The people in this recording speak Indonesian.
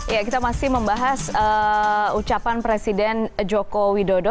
ya kita masih membahas ucapan presiden joko widodo